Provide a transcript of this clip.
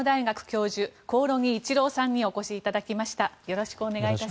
興梠一郎さんにお越しいただきました。